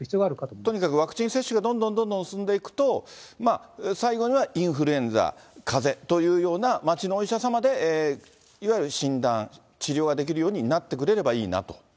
とにかくワクチン接種がどんどんどんどん進んでいくと、最後にはインフルエンザ、かぜというような、町のお医者様でいわゆる診断、治療ができるようになってくれればいいなと？